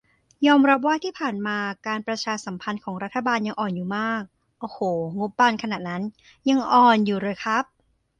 "ยอมรับว่าที่ผ่านมาการประชาสัมพันธ์ของรัฐบาลยังอ่อนอยู่มาก" อะโห งบบานขนาดนั้น ยังอ่อนอยู่เหรอครับ